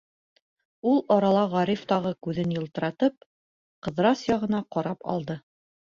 Ул арала Ғариф тағы, күҙен йылтыратып, Ҡыҙырас яғына ҡарап алды.